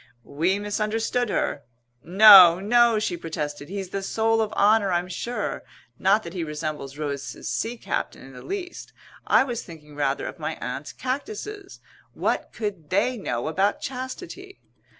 We misunderstood her. "No, no," she protested, "he's the soul of honour I'm sure not that he resembles Rose's sea captain in the least. I was thinking rather of my Aunt's cactuses. What could they know about chastity?"